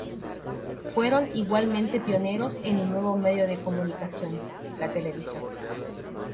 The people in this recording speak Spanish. Fueron igualmente pioneros en un nuevo medio de comunicación: la televisión.